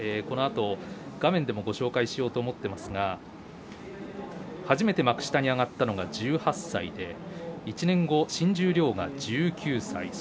このあと画面でもご紹介しようと思っていますが初めて幕下に上がったのが１８歳で１年後、新十両が１９歳。